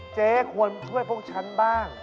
เจ๊ควรช่วยพวกฉันบ้าง